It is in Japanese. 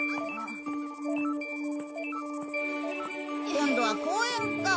今度は公園か。